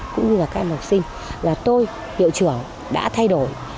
cũng như là các em học sinh là tôi hiệu trưởng đã thay đổi